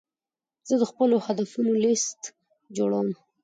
زه د خپلو هدفونو لیست جوړوم.